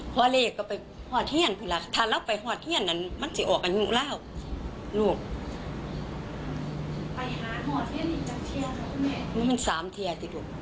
คุณแม่หน่อยฟังแม่ไปจากเทียร์ไปเห็นห้อเทียร์